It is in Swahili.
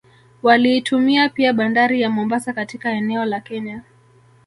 Waliitumia pia Bandari ya Mombasa katika eneo la Kenya